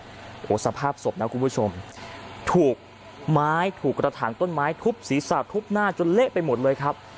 โอ้โหสภาพศพนะคุณผู้ชมถูกไม้ถูกกระถางต้นไม้ทุบศีรษะทุบหน้าจนเละไปหมดเลยครับ